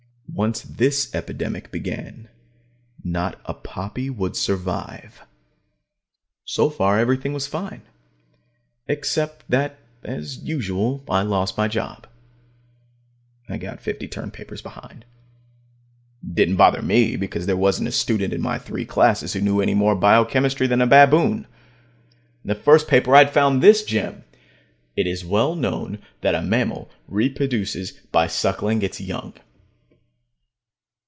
Once this epidemic began, not a poppy would survive. So far everything was fine, except that, as usual, I lost my job. I got fifty term papers behind. It didn't bother me, because there wasn't a student in my three classes who knew any more biochemistry than a baboon. In the first paper I'd found this gem: "It is well known that a mammal reproduces by suckling its young."